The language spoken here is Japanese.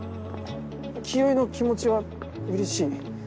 清居の気持ちはうれしい。